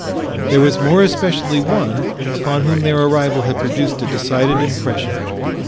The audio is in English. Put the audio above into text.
There was more especially one upon whom their arrival had produced a decided impression.